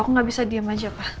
kok nggak bisa diem aja pak